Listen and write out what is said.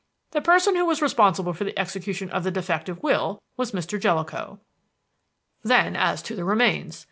"The person who was responsible for the execution of the defective will was Mr. Jellicoe. "Then as to the remains.